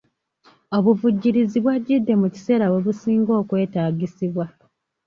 Obuvujjirizi bwajjidde mu kiseera we businga okwetaagisibwa.